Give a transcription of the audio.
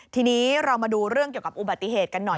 ทีนี้เรามาดูเรื่องเกี่ยวกับอุบัติเหตุกันหน่อย